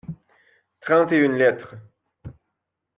Trente et une lettres.